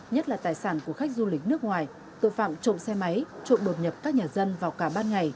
nhất là tài sản của khách du lịch nước ngoài tội phạm trộm xe máy trộn đột nhập các nhà dân vào cả ban ngày